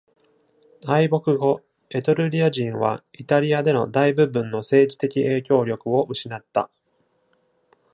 敗北後、エトルリア人はイタリアでの大部分の政治的影響力を失った。